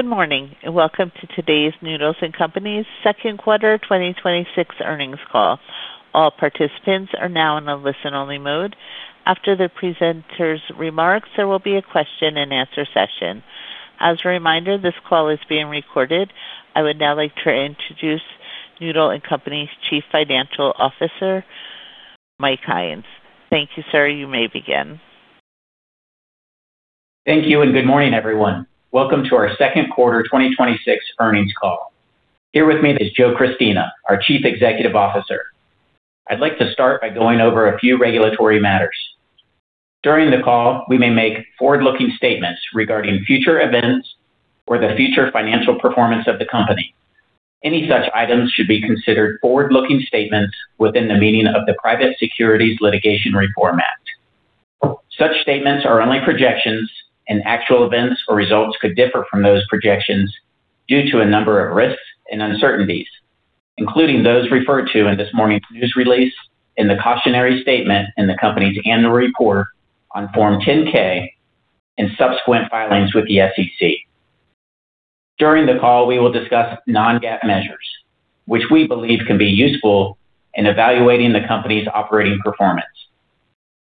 Good morning, and welcome to today's Noodles & Company's second quarter 2026 earnings call. All participants are now in a listen-only mode. After the presenters' remarks, there will be a question and answer session. As a reminder, this call is being recorded. I would now like to introduce Noodles & Company's Chief Financial Officer, Mike Hynes. Thank you, sir. You may begin. Thank you. Good morning, everyone. Welcome to our second quarter 2026 earnings call. Here with me is Joe Christina, our Chief Executive Officer. I'd like to start by going over a few regulatory matters. During the call, we may make forward-looking statements regarding future events or the future financial performance of the company. Any such items should be considered forward-looking statements within the meaning of the Private Securities Litigation Reform Act of 1995. Such statements are only projections, and actual events or results could differ from those projections due to a number of risks and uncertainties, including those referred to in this morning's news release and the cautionary statement in the company's annual report on Form 10-K and subsequent filings with the SEC. During the call, we will discuss non-GAAP measures, which we believe can be useful in evaluating the company's operating performance.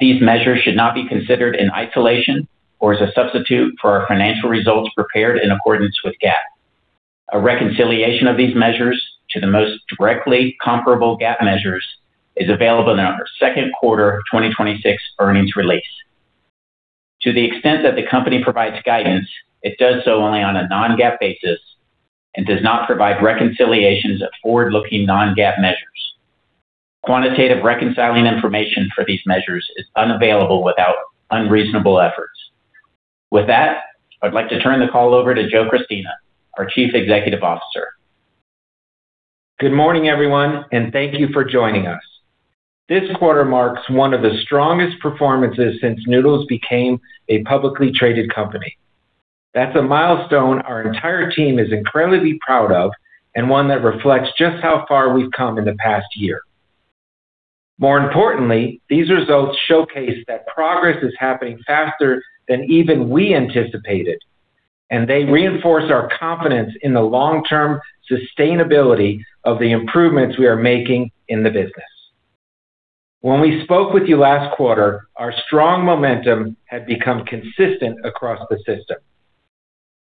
These measures should not be considered in isolation or as a substitute for our financial results prepared in accordance with GAAP. A reconciliation of these measures to the most directly comparable GAAP measures is available in our second quarter of 2026 earnings release. To the extent that the company provides guidance, it does so only on a non-GAAP basis and does not provide reconciliations of forward-looking non-GAAP measures. Quantitative reconciling information for these measures is unavailable without unreasonable efforts. With that, I'd like to turn the call over to Joe Christina, our Chief Executive Officer. Good morning, everyone. Thank you for joining us. This quarter marks one of the strongest performances since Noodles became a publicly traded company. That's a milestone our entire team is incredibly proud of and one that reflects just how far we've come in the past year. More importantly, these results showcase that progress is happening faster than even we anticipated, and they reinforce our confidence in the long-term sustainability of the improvements we are making in the business. When we spoke with you last quarter, our strong momentum had become consistent across the system.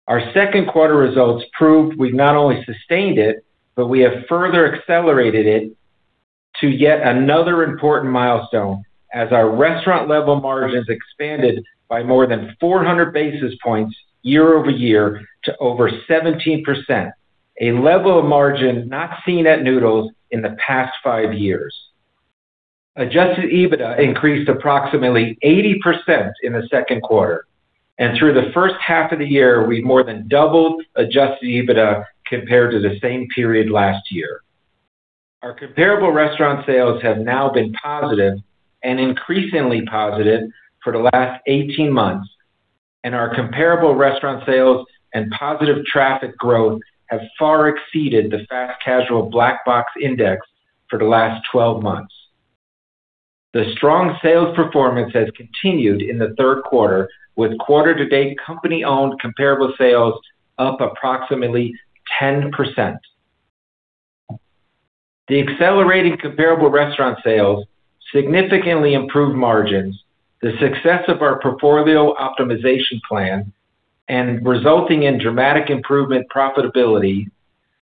Our second quarter results proved we've not only sustained it, but we have further accelerated it to yet another important milestone as our restaurant level margins expanded by more than 400 basis points year-over-year to over 17%, a level of margin not seen at Noodles in the past five years. Adjusted EBITDA increased approximately 80% in the second quarter. Through the first half of the year, we more than doubled adjusted EBITDA compared to the same period last year. Our comparable restaurant sales have now been positive and increasingly positive for the last 18 months. Our comparable restaurant sales and positive traffic growth have far exceeded the fast casual Black Box index for the last 12 months. The strong sales performance has continued in the third quarter with quarter to date company-owned comparable sales up approximately 10%. The accelerating comparable restaurant sales significantly improved margins. The success of our portfolio optimization plan and resulting in dramatic improvement profitability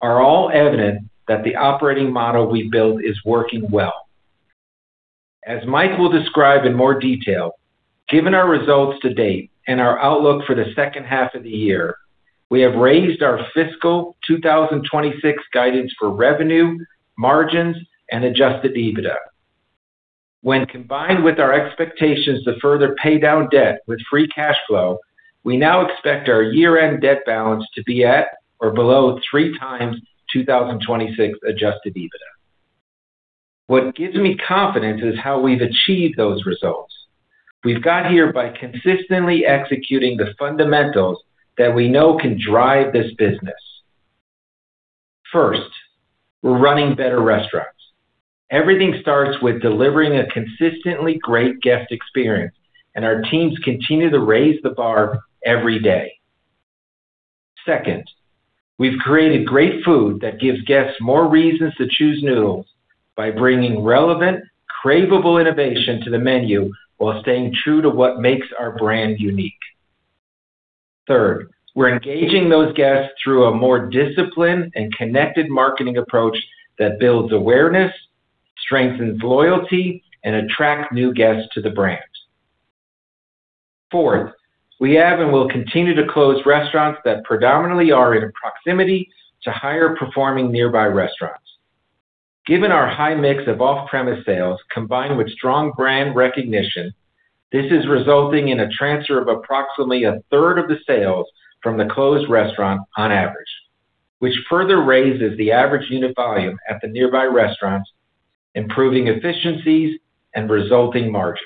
are all evident that the operating model we built is working well. As Mike will describe in more detail, given our results to date and our outlook for the second half of the year, we have raised our fiscal 2026 guidance for revenue, margins, and adjusted EBITDA. When combined with our expectations to further pay down debt with free cash flow, we now expect our year-end debt balance to be at or below three times 2026 adjusted EBITDA. What gives me confidence is how we've achieved those results. We've got here by consistently executing the fundamentals that we know can drive this business. First, we're running better restaurants. Everything starts with delivering a consistently great guest experience, and our teams continue to raise the bar every day. Second, we've created great food that gives guests more reasons to choose Noodles by bringing relevant, craveable innovation to the menu while staying true to what makes our brand unique. Third, we're engaging those guests through a more disciplined and connected marketing approach that builds awareness, strengthens loyalty, and attracts new guests to the brand. Fourth, we have and will continue to close restaurants that predominantly are in proximity to higher performing nearby restaurants. Given our high mix of off-premise sales combined with strong brand recognition, this is resulting in a transfer of approximately a third of the sales from the closed restaurant on average, which further raises the average unit volume at the nearby restaurants, improving efficiencies and resulting margins.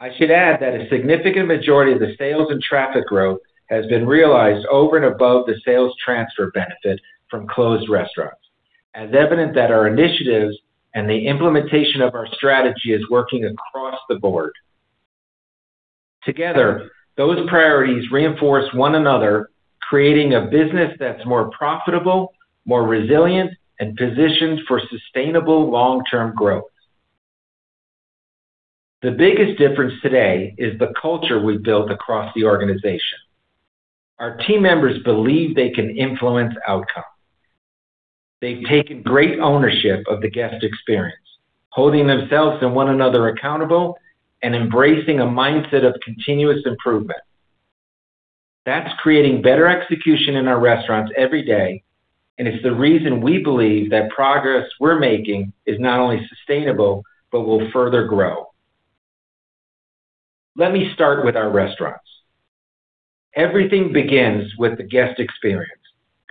I should add that a significant majority of the sales and traffic growth has been realized over and above the sales transfer benefit from closed restaurants. It is evident that our initiatives and the implementation of our strategy is working across the board. Together, those priorities reinforce one another, creating a business that's more profitable, more resilient, and positioned for sustainable long-term growth. The biggest difference today is the culture we've built across the organization. Our team members believe they can influence outcome. They've taken great ownership of the guest experience, holding themselves and one another accountable, and embracing a mindset of continuous improvement. That's creating better execution in our restaurants every day, and it's the reason we believe that progress we're making is not only sustainable but will further grow. Let me start with our restaurants. Everything begins with the guest experience.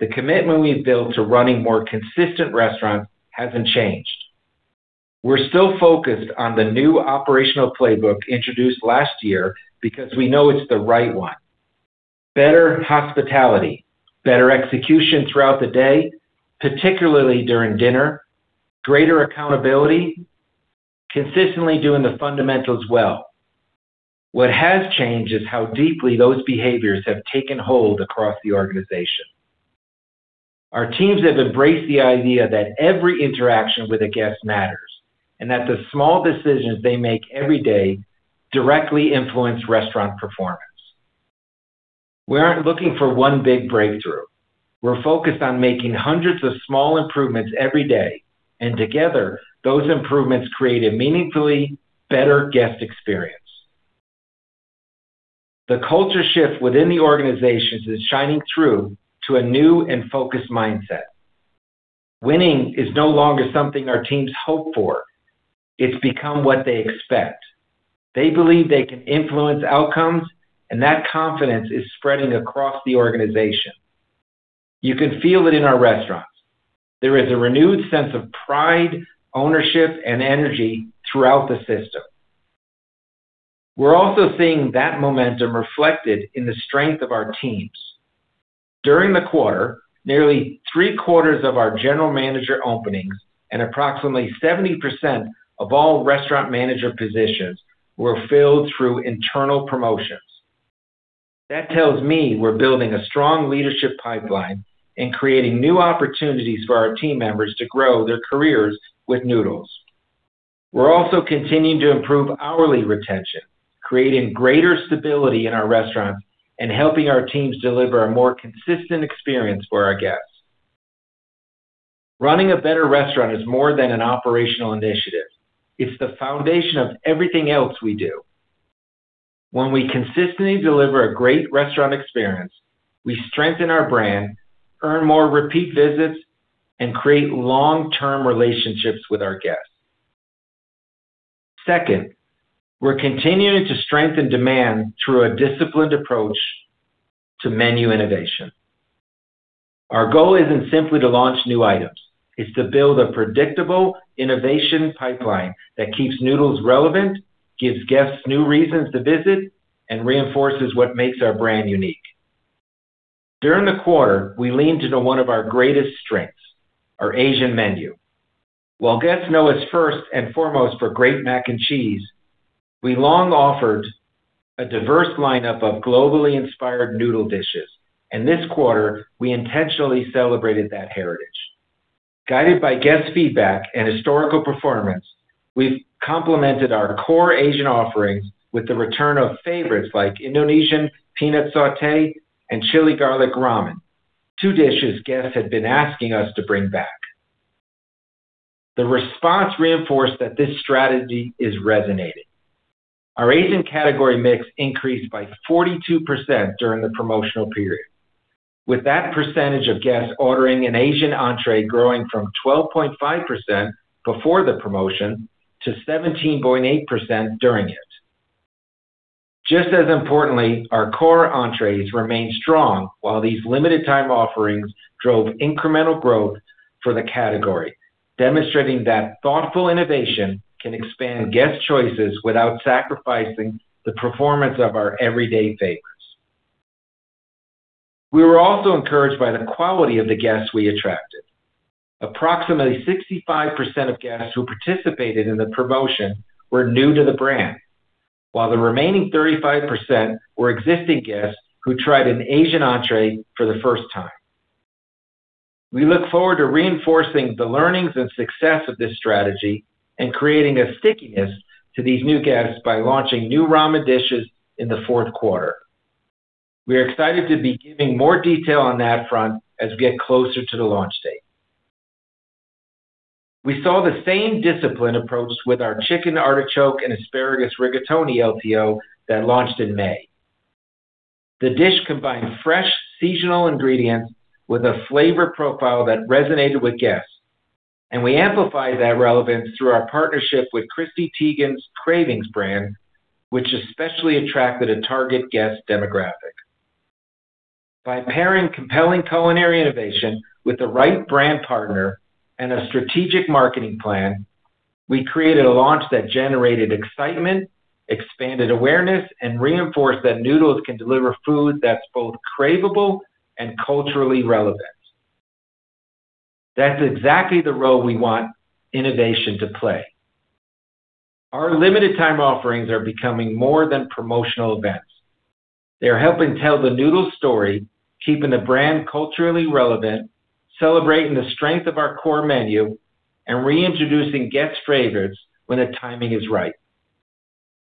The commitment we've built to running more consistent restaurants hasn't changed. We're still focused on the new operational playbook introduced last year because we know it's the right one. Better hospitality, better execution throughout the day, particularly during dinner, greater accountability, consistently doing the fundamentals well. What has changed is how deeply those behaviors have taken hold across the organization. Our teams have embraced the idea that every interaction with a guest matters, and that the small decisions they make every day directly influence restaurant performance. We aren't looking for one big breakthrough. We're focused on making hundreds of small improvements every day, and together, those improvements create a meaningfully better guest experience. The culture shift within the organizations is shining through to a new and focused mindset. Winning is no longer something our teams hope for. It's become what they expect. They believe they can influence outcomes, and that confidence is spreading across the organization. You can feel it in our restaurants. There is a renewed sense of pride, ownership, and energy throughout the system. We're also seeing that momentum reflected in the strength of our teams. During the quarter, nearly three-quarters of our general manager openings and approximately 70% of all restaurant manager positions were filled through internal promotions. That tells me we're building a strong leadership pipeline and creating new opportunities for our team members to grow their careers with Noodles. We're also continuing to improve hourly retention, creating greater stability in our restaurants and helping our teams deliver a more consistent experience for our guests. Running a better restaurant is more than an operational initiative. It's the foundation of everything else we do. When we consistently deliver a great restaurant experience, we strengthen our brand, earn more repeat visits, and create long-term relationships with our guests. Second, we're continuing to strengthen demand through a disciplined approach to menu innovation. Our goal isn't simply to launch new items. It's to build a predictable innovation pipeline that keeps Noodles relevant, gives guests new reasons to visit, and reinforces what makes our brand unique. During the quarter, we leaned into one of our greatest strengths, our Asian menu. While guests know us first and foremost for great Mac & Cheese, we long offered a diverse lineup of globally inspired noodle dishes, and this quarter, we intentionally celebrated that heritage. Guided by guest feedback and historical performance, we've complemented our core Asian offerings with the return of favorites like Indonesian Peanut Saute and Chili Garlic Ramen, two dishes guests had been asking us to bring back. The response reinforced that this strategy is resonating. Our Asian category mix increased by 42% during the promotional period. With that percentage of guests ordering an Asian entree growing from 12.5% before the promotion to 17.8% during it. Just as importantly, our core entrees remained strong while these limited time offerings drove incremental growth for the category, demonstrating that thoughtful innovation can expand guest choices without sacrificing the performance of our everyday favorites. We were also encouraged by the quality of the guests we attracted. Approximately 65% of guests who participated in the promotion were new to the brand, while the remaining 35% were existing guests who tried an Asian entree for the first time. We look forward to reinforcing the learnings and success of this strategy and creating a stickiness to these new guests by launching new ramen dishes in the fourth quarter. We are excited to be giving more detail on that front as we get closer to the launch date. We saw the same discipline approached with our Chicken Artichoke & Asparagus Rigatoni LTO that launched in May. The dish combined fresh, seasonal ingredients with a flavor profile that resonated with guests, and we amplified that relevance through our partnership with Chrissy Teigen's Cravings brand, which especially attracted a target guest demographic. By pairing compelling culinary innovation with the right brand partner and a strategic marketing plan, we created a launch that generated excitement, expanded awareness, and reinforced that Noodles can deliver food that's both craveable and culturally relevant. That's exactly the role we want innovation to play. Our limited time offerings are becoming more than promotional events. They are helping tell the Noodles story, keeping the brand culturally relevant, celebrating the strength of our core menu, and reintroducing guests' favorites when the timing is right.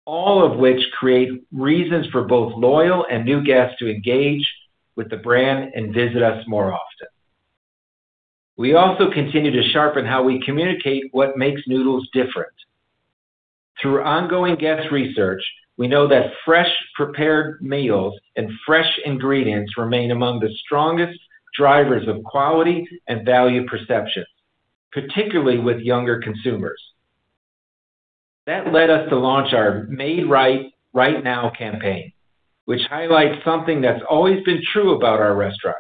All of which create reasons for both loyal and new guests to engage with the brand and visit us more often. We also continue to sharpen how we communicate what makes Noodles different. Through ongoing guest research, we know that fresh prepared meals and fresh ingredients remain among the strongest drivers of quality and value perceptions, particularly with younger consumers. That led us to launch our Made Right Now campaign, which highlights something that's always been true about our restaurants.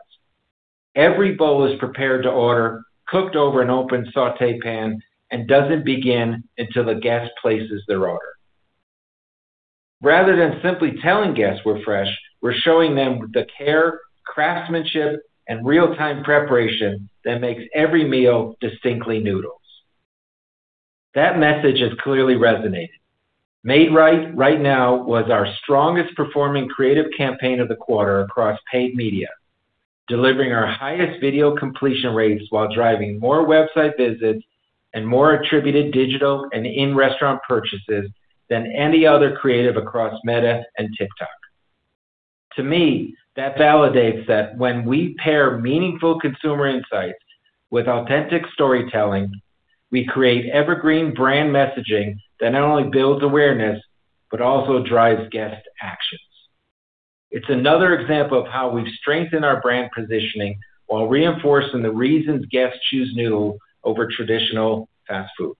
Every bowl is prepared to order, cooked over an open sauté pan, and doesn't begin until the guest places their order. Rather than simply telling guests we're fresh, we're showing them the care, craftsmanship, and real-time preparation that makes every meal distinctly Noodles. That message has clearly resonated. Made Right Now was our strongest performing creative campaign of the quarter across paid media, delivering our highest video completion rates while driving more website visits and more attributed digital and in-restaurant purchases than any other creative across Meta and TikTok. To me, that validates that when we pair meaningful consumer insights with authentic storytelling, we create evergreen brand messaging that not only builds awareness, but also drives guest actions. It's another example of how we've strengthened our brand positioning while reinforcing the reasons guests choose Noodles over traditional fast food.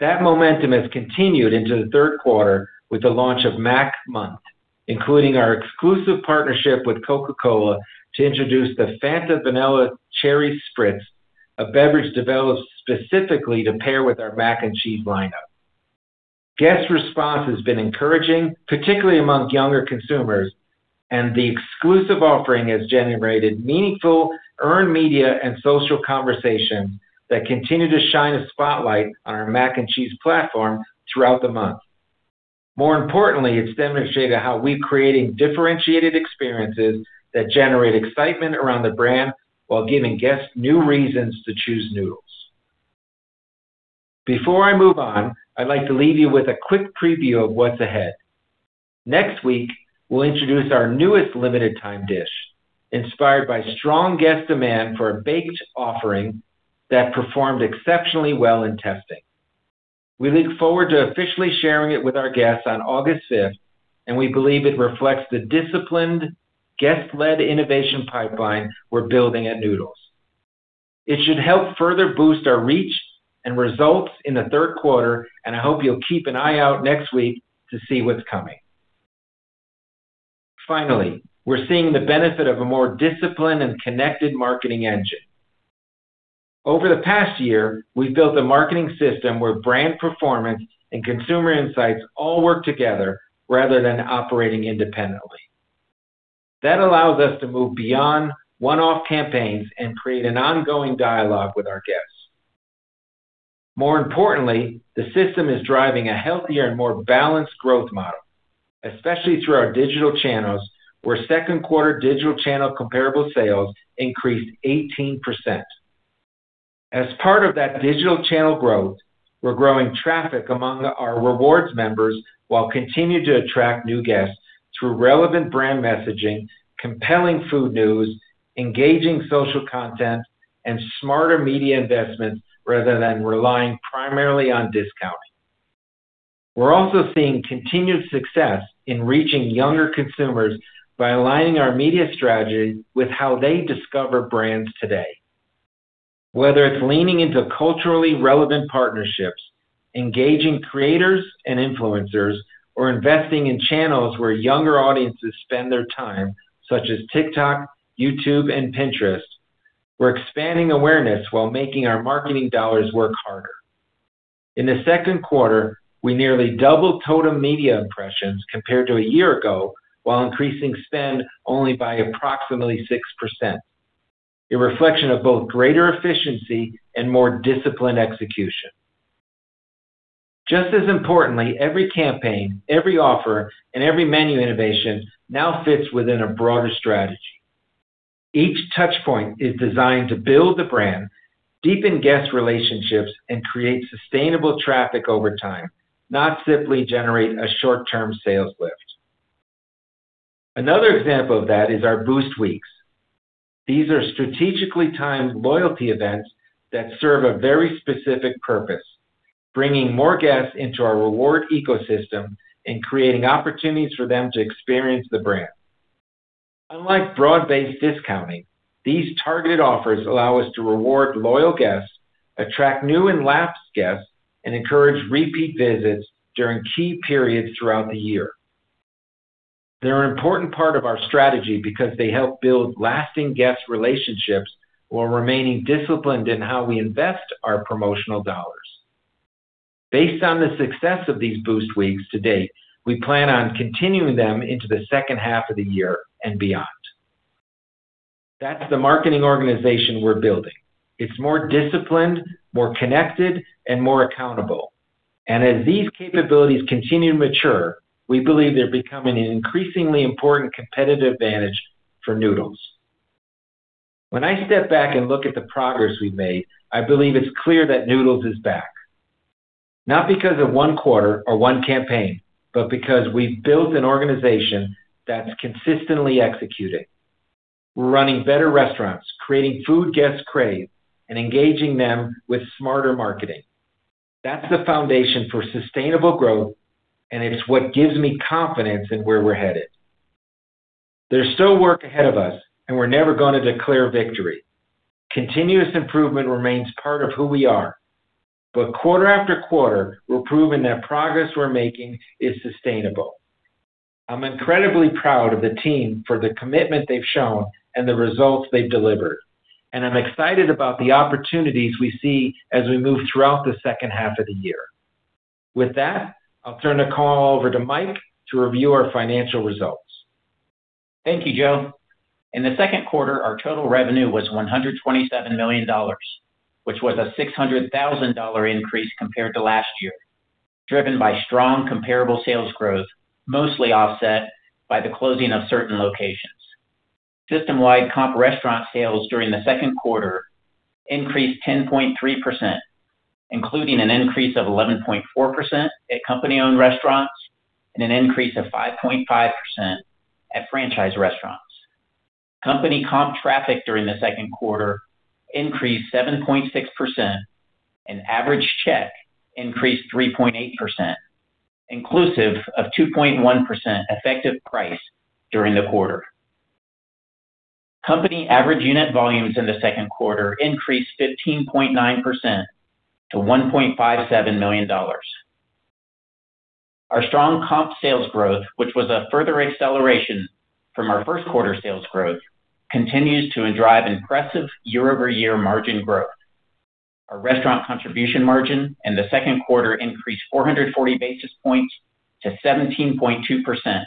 That momentum has continued into the third quarter with the launch of Mac Month, including our exclusive partnership with Coca-Cola to introduce the Fanta Vanilla Cherry Spritz, a beverage developed specifically to pair with our Mac & Cheese lineup. Guests' response has been encouraging, particularly among younger consumers, and the exclusive offering has generated meaningful earned media and social conversation that continue to shine a spotlight on our Mac & Cheese platform throughout the month. More importantly, it's demonstrated how we're creating differentiated experiences that generate excitement around the brand while giving guests new reasons to choose Noodles. Before I move on, I'd like to leave you with a quick preview of what's ahead. Next week, we'll introduce our newest limited time dish, inspired by strong guest demand for a baked offering that performed exceptionally well in testing. We look forward to officially sharing it with our guests on August 5th, and we believe it reflects the disciplined guest-led innovation pipeline we're building at Noodles. It should help further boost our reach and results in the third quarter, and I hope you'll keep an eye out next week to see what's coming. Finally, we're seeing the benefit of a more disciplined and connected marketing engine. Over the past year, we've built a marketing system where brand performance and consumer insights all work together rather than operating independently. That allows us to move beyond one-off campaigns and create an ongoing dialogue with our guests. More importantly, the system is driving a healthier and more balanced growth model, especially through our digital channels, where second quarter digital channel comparable sales increased 18%. As part of that digital channel growth, we're growing traffic among our rewards members while continuing to attract new guests through relevant brand messaging, compelling food news, engaging social content, and smarter media investments rather than relying primarily on discounting. We're also seeing continued success in reaching younger consumers by aligning our media strategy with how they discover brands today. Whether it's leaning into culturally relevant partnerships, engaging creators and influencers, or investing in channels where younger audiences spend their time, such as TikTok, YouTube, and Pinterest, we're expanding awareness while making our marketing dollars work harder. In the second quarter, we nearly doubled total media impressions compared to a year ago while increasing spend only by approximately 6%, a reflection of both greater efficiency and more disciplined execution. Just as importantly, every campaign, every offer, and every menu innovation now fits within a broader strategy. Each touchpoint is designed to build the brand, deepen guest relationships, and create sustainable traffic over time, not simply generate a short-term sales lift. Another example of that is our Boost Weeks. These are strategically timed loyalty events that serve a very specific purpose, bringing more guests into our reward ecosystem and creating opportunities for them to experience the brand. Unlike broad-based discounting, these targeted offers allow us to reward loyal guests, attract new and lapsed guests, and encourage repeat visits during key periods throughout the year. They're an important part of our strategy because they help build lasting guest relationships while remaining disciplined in how we invest our promotional dollars. Based on the success of these Boost Weeks to date, we plan on continuing them into the second half of the year and beyond. That's the marketing organization we're building. It's more disciplined, more connected, and more accountable. As these capabilities continue to mature, we believe they're becoming an increasingly important competitive advantage for Noodles. When I step back and look at the progress we've made, I believe it's clear that Noodles is back. Not because of one quarter or one campaign, but because we've built an organization that's consistently executing. We're running better restaurants, creating food guests crave, and engaging them with smarter marketing. That's the foundation for sustainable growth, and it's what gives me confidence in where we're headed. There's still work ahead of us, and we're never going to declare victory. Continuous improvement remains part of who we are. Quarter after quarter, we're proving that progress we're making is sustainable. I'm incredibly proud of the team for the commitment they've shown and the results they've delivered. I'm excited about the opportunities we see as we move throughout the second half of the year. With that, I'll turn the call over to Mike to review our financial results. Thank you, Joe. In the second quarter, our total revenue was $127 million, which was a $600,000 increase compared to last year, driven by strong comparable sales growth, mostly offset by the closing of certain locations. System-wide comp restaurant sales during the second quarter increased 10.3%, including an increase of 11.4% at company-owned restaurants and an increase of 5.5% at franchise restaurants. Company comp traffic during the second quarter increased 7.6%, and average check increased 3.8%, inclusive of 2.1% effective price during the quarter. Company average unit volumes in the second quarter increased 15.9% to $1.57 million. Our strong comp sales growth, which was a further acceleration from our first quarter sales growth, continues to drive impressive year-over-year margin growth. Our restaurant contribution margin in the second quarter increased 440 basis points to 17.2%,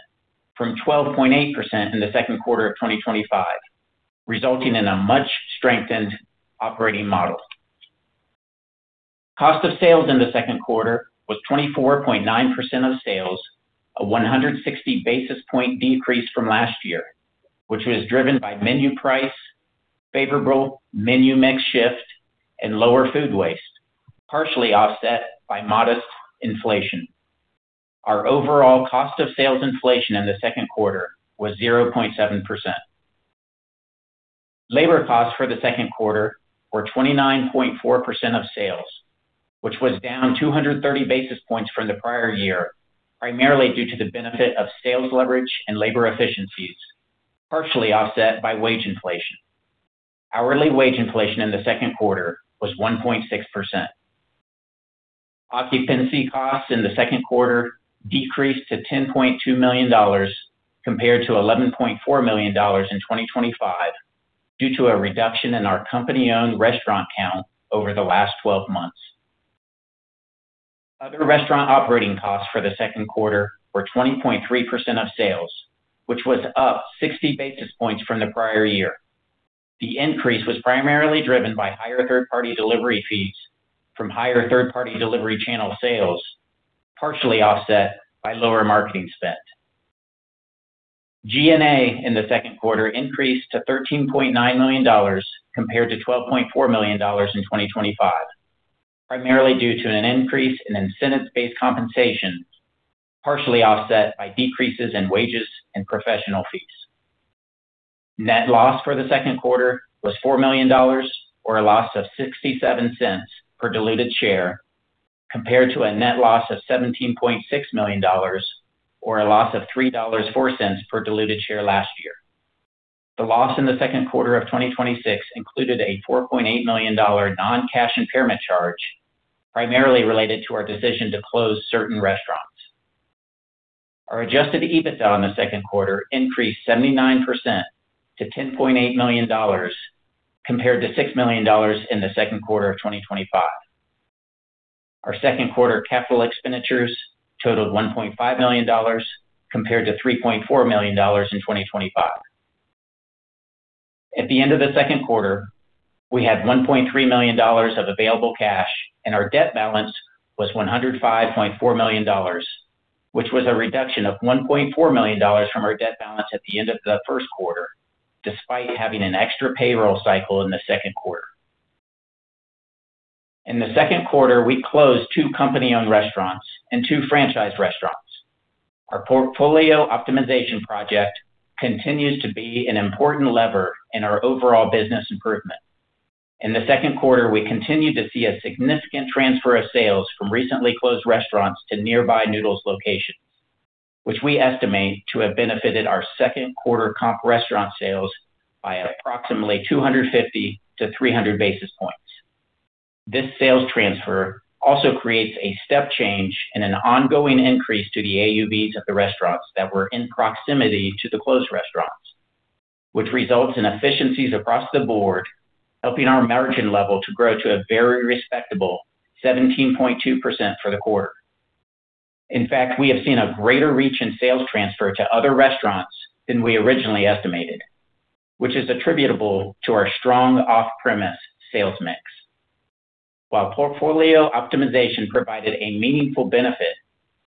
from 12.8% in the second quarter of 2025, resulting in a much-strengthened operating model. Cost of sales in the second quarter was 24.9% of sales, a 160 basis point decrease from last year, which was driven by menu price, favorable menu mix shift, and lower food waste, partially offset by modest inflation. Our overall cost of sales inflation in the second quarter was 0.7%. Labor costs for the second quarter were 29.4% of sales, which was down 230 basis points from the prior year, primarily due to the benefit of sales leverage and labor efficiencies, partially offset by wage inflation. Hourly wage inflation in the second quarter was 1.6%. Occupancy costs in the second quarter decreased to $10.2 million compared to $11.4 million in 2025 due to a reduction in our company-owned restaurant count over the last 12 months. Other restaurant operating costs for the second quarter were 20.3% of sales, which was up 60 basis points from the prior year. The increase was primarily driven by higher third-party delivery fees from higher third-party delivery channel sales, partially offset by lower marketing spend. G&A in the second quarter increased to $13.9 million, compared to $12.4 million in 2025, primarily due to an increase in incentive-based compensation, partially offset by decreases in wages and professional fees. Net loss for the second quarter was $4 million, or a loss of $0.67 per diluted share, compared to a net loss of $17.6 million, or a loss of $3.04 per diluted share last year. The loss in the second quarter of 2026 included a $4.8 million non-cash impairment charge, primarily related to our decision to close certain restaurants. Our adjusted EBITDA in the second quarter increased 79% to $10.8 million, compared to $6 million in the second quarter of 2025. Our second quarter capital expenditures totaled $1.5 million compared to $3.4 million in 2025. At the end of the second quarter, we had $1.3 million of available cash and our debt balance was $105.4 million, which was a reduction of $1.4 million from our debt balance at the end of the first quarter, despite having an extra payroll cycle in the second quarter. In the second quarter, we closed two company-owned restaurants and two franchise restaurants. Our portfolio optimization project continues to be an important lever in our overall business improvement. In the second quarter, we continued to see a significant transfer of sales from recently closed restaurants to nearby Noodles locations, which we estimate to have benefited our second quarter comp restaurant sales by approximately 250 to 300 basis points. This sales transfer also creates a step change and an ongoing increase to the AUVs of the restaurants that were in proximity to the closed restaurants, which results in efficiencies across the board, helping our margin level to grow to a very respectable 17.2% for the quarter. In fact, we have seen a greater reach in sales transfer to other restaurants than we originally estimated, which is attributable to our strong off-premise sales mix. While portfolio optimization provided a meaningful benefit,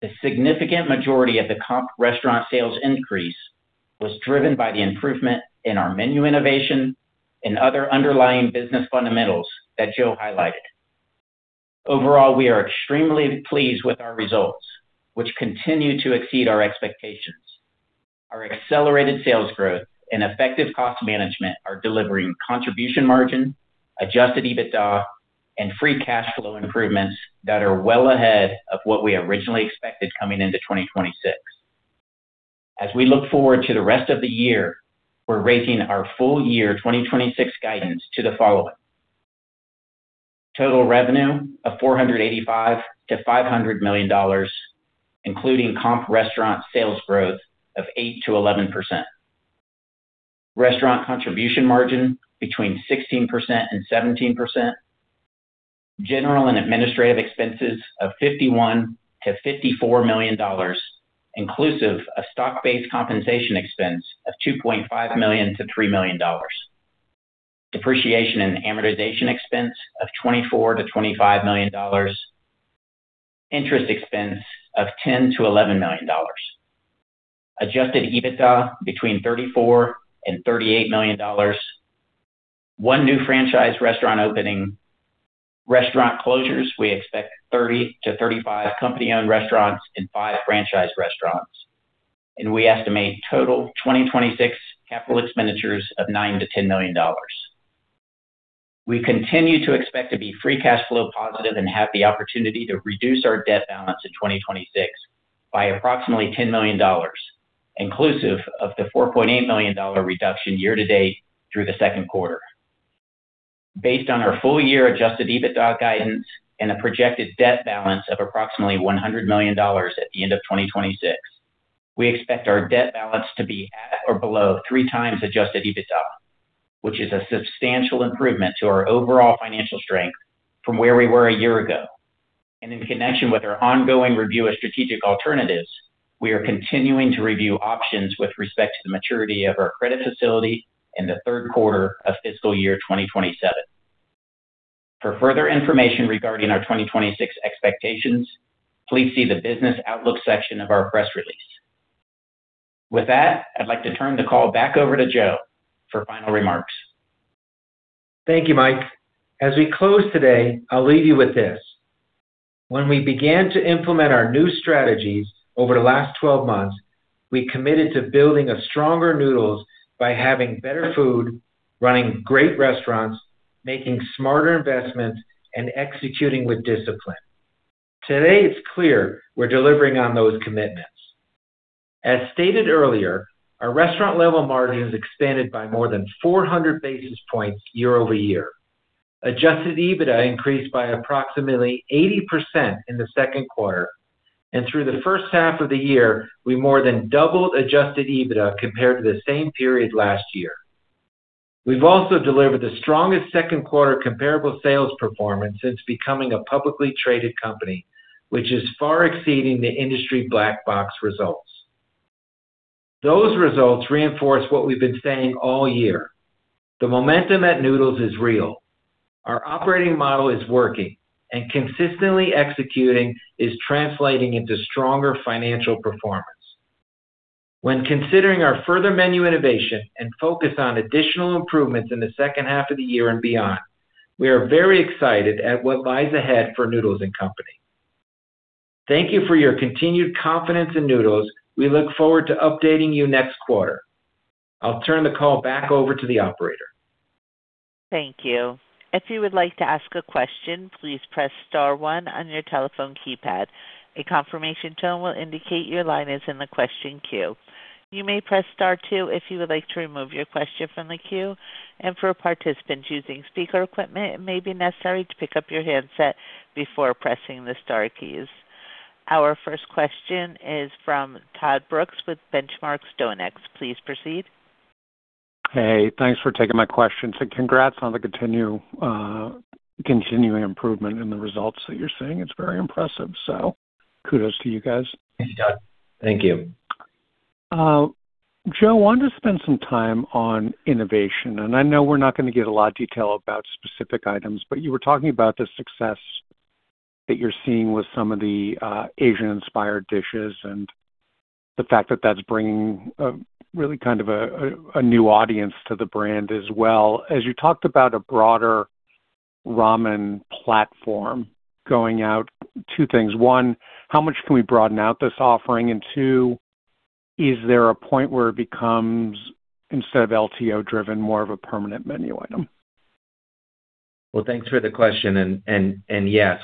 the significant majority of the comp restaurant sales increase was driven by the improvement in our menu innovation and other underlying business fundamentals that Joe highlighted. Overall, we are extremely pleased with our results, which continue to exceed our expectations. Our accelerated sales growth and effective cost management are delivering contribution margin, adjusted EBITDA, and free cash flow improvements that are well ahead of what we originally expected coming into 2026. As we look forward to the rest of the year, we're raising our full year 2026 guidance to the following: total revenue of $485 million-$500 million, including comp restaurant sales growth of 8%-11%. Restaurant contribution margin between 16% and 17%. General and Administrative Expenses of $51 million-$54 million, inclusive of stock-based compensation expense of $2.5 million-$3 million. Depreciation and amortization expense of $24 million-$25 million. Interest expense of $10 million-$11 million. Adjusted EBITDA between $34 million and $38 million. One new franchise restaurant opening. Restaurant closures, we expect 30-35 company-owned restaurants and five franchise restaurants. We estimate total 2026 capital expenditures of $9 million-$10 million. We continue to expect to be free cash flow positive and have the opportunity to reduce our debt balance in 2026 by approximately $10 million, inclusive of the $4.8 million reduction year-to-date through the second quarter. Based on our full year adjusted EBITDA guidance and a projected debt balance of approximately $100 million at the end of 2026, we expect our debt balance to be at or below three times adjusted EBITDA, which is a substantial improvement to our overall financial strength from where we were a year ago. In connection with our ongoing review of strategic alternatives, we are continuing to review options with respect to the maturity of our credit facility in the third quarter of fiscal year 2027. For further information regarding our 2026 expectations, please see the Business Outlook section of our press release. With that, I'd like to turn the call back over to Joe for final remarks. Thank you, Mike. As we close today, I'll leave you with this. When we began to implement our new strategies over the last 12 months, we committed to building a stronger Noodles by having better food, running great restaurants, making smarter investments, and executing with discipline. Today, it's clear we're delivering on those commitments. As stated earlier, our restaurant level margins expanded by more than 400 basis points year-over-year. Adjusted EBITDA increased by approximately 80% in the second quarter. Through the first half of the year, we more than doubled adjusted EBITDA compared to the same period last year. We've also delivered the strongest second quarter comparable sales performance since becoming a publicly traded company, which is far exceeding the industry Black Box results. Those results reinforce what we've been saying all year. The momentum at Noodles is real. Our operating model is working, consistently executing is translating into stronger financial performance. When considering our further menu innovation and focus on additional improvements in the second half of the year and beyond, we are very excited at what lies ahead for Noodles & Company. Thank you for your continued confidence in Noodles. We look forward to updating you next quarter. I'll turn the call back over to the operator. Thank you. If you would like to ask a question, please press star one on your telephone keypad. A confirmation tone will indicate your line is in the question queue. You may press star two if you would like to remove your question from the queue. For participants using speaker equipment, it may be necessary to pick up your handset before pressing the star keys. Our first question is from Todd Brooks with Benchmark StoneX. Please proceed. Hey, thanks for taking my question. Congrats on the continuing improvement in the results that you're seeing. It's very impressive. Kudos to you guys. Thanks, Todd. Thank you. Joe, wanted to spend some time on innovation. I know we're not going to get a lot of detail about specific items, but you were talking about the success that you're seeing with some of the Asian-inspired dishes and the fact that that's bringing really kind of a new audience to the brand as well. As you talked about a broader ramen platform going out, two things. One, how much can we broaden out this offering? Two, is there a point where it becomes, instead of LTO driven, more of a permanent menu item? Well, thanks for the question. Yes.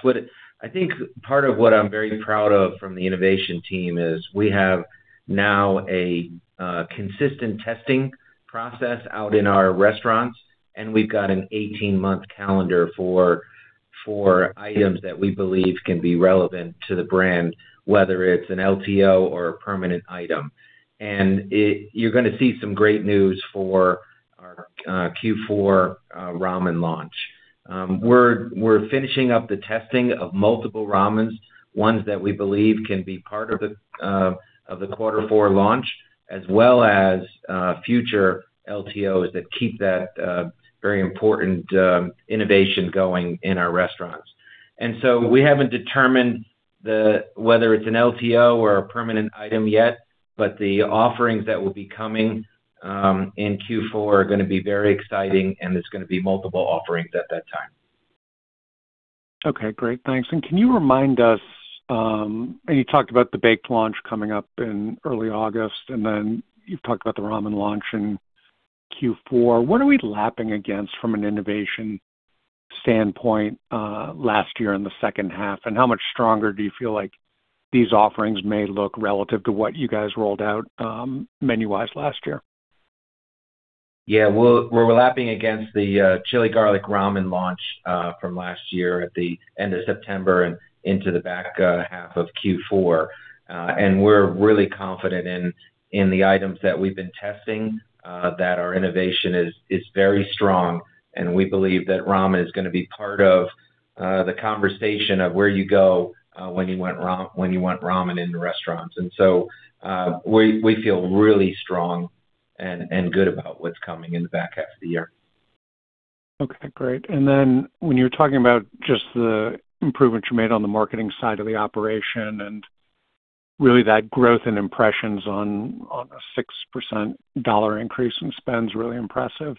I think part of what I'm very proud of from the innovation team is we have now a consistent testing process out in our restaurants, and we've got an 18-month calendar for items that we believe can be relevant to the brand, whether it's an LTO or a permanent item. You're going to see some great news for our Q4 ramen launch. We're finishing up the testing of multiple ramens, ones that we believe can be part of the quarter four launch, as well as future LTOs that keep that very important innovation going in our restaurants. We haven't determined whether it's an LTO or a permanent item yet, but the offerings that will be coming in Q4 are going to be very exciting, and it's going to be multiple offerings at that time. Okay, great. Thanks. Can you remind us, you talked about the baked launch coming up in early August, then you've talked about the ramen launch in Q4. What are we lapping against from an innovation standpoint last year in the second half, and how much stronger do you feel like these offerings may look relative to what you guys rolled out menu-wise last year? Yeah. We're lapping against the Chili Garlic Ramen launch, from last year at the end of September and into the back half of Q4. We're really confident in the items that we've been testing, that our innovation is very strong, and we believe that ramen is going to be part of the conversation of where you go when you want ramen in the restaurants. We feel really strong and good about what's coming in the back half of the year. Okay, great. When you're talking about just the improvements you made on the marketing side of the operation and really that growth in impressions on a 6% dollar increase in spend is really impressive.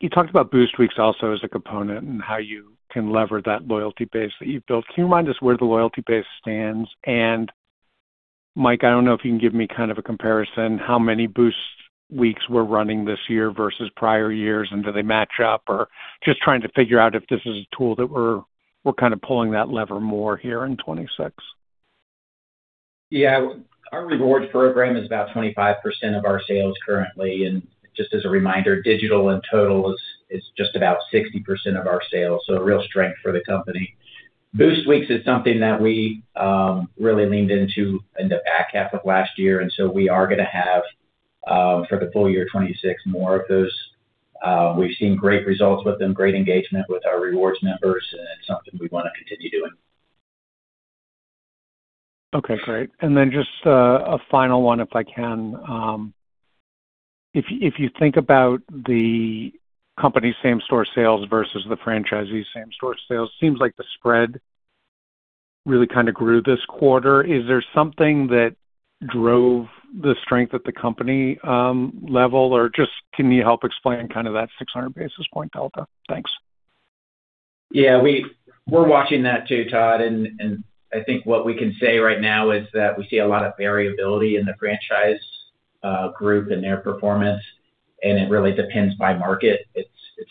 You talked about Boost Weeks also as a component and how you can lever that loyalty base that you've built. Can you remind us where the loyalty base stands? Mike, I don't know if you can give me kind of a comparison, how many Boost Weeks were running this year versus prior years, and do they match up? Or just trying to figure out if this is a tool that we're kind of pulling that lever more here in 2026. Yeah. Our rewards program is about 25% of our sales currently. Just as a reminder, digital in total is just about 60% of our sales. A real strength for the company. Boost Weeks is something that we really leaned into in the back half of last year, we are going to have, for the full year 2026, more of those. We've seen great results with them, great engagement with our rewards members, and it's something we want to continue doing. Okay, great. Just a final one if I can. If you think about the company same-store sales versus the franchisee same-store sales, seems like the spread really kind of grew this quarter. Is there something that drove the strength at the company level, or just can you help explain kind of that 600 basis point delta? Thanks. Yeah. We're watching that too, Todd, I think what we can say right now is that we see a lot of variability in the franchise group and their performance, it really depends by market. It's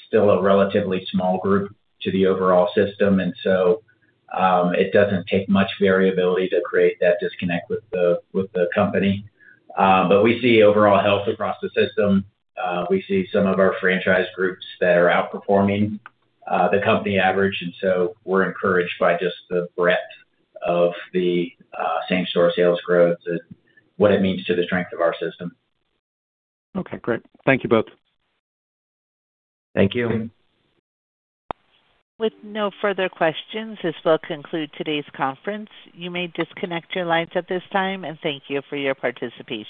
still a relatively small group to the overall system, it doesn't take much variability to create that disconnect with the company. We see overall health across the system. We see some of our franchise groups that are outperforming the company average, we're encouraged by just the breadth of the same-store sales growth and what it means to the strength of our system. Okay, great. Thank you both. Thank you. With no further questions, this will conclude today's conference. You may disconnect your lines at this time, and thank you for your participation.